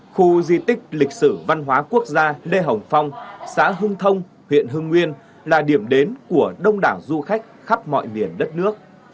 khu di tích lịch sử văn hóa quốc gia lê hồng phong xã hưng thông huyện hưng nguyên là điểm đến của đông đảo du khách khắp mọi miền đất nước